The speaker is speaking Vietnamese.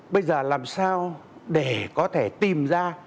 bây giờ làm sao để có thể tìm ra